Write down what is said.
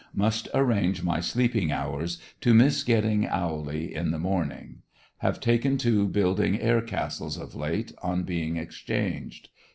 Must arrange my sleeping hours to miss getting owly in the morning. Have taken to building air castles of late, on being exchanged.